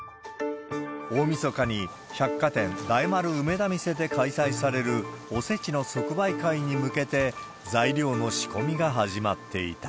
大みそかに百貨店、大丸梅田店で開催されるおせちの即売会に向けて、材料の仕込みが始まっていた。